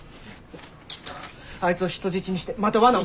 きっとあいつを人質にしてまた罠を。